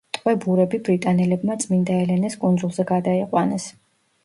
ტყვე ბურები ბრიტანელებმა წმინდა ელენეს კუნძულზე გადაიყვანეს.